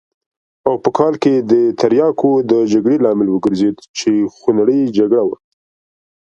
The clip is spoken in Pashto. او په کال کې د تریاکو د جګړې لامل وګرځېد چې خونړۍ جګړه وه.